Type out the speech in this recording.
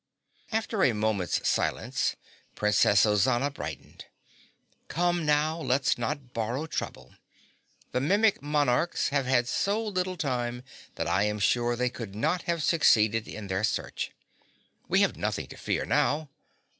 After a moment's silence Princess Ozana brightened. "Come, now, let's not borrow trouble. The Mimic Monarchs have had so little time that I am sure they could not have succeeded in their search! We have nothing to fear now.